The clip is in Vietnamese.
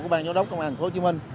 của bang giáo đốc công an hồ chí minh